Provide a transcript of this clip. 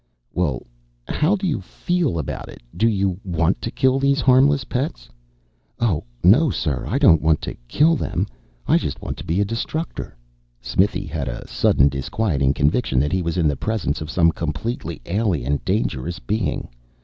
"Well, how do you feel about it? Do you want to kill these harmless pets?" "Oh, no, sir. I don't want to kill them. I just want to be a Destructor." Smithy had a sudden, disquieting conviction that he was in the presence of some completely alien, dangerous being.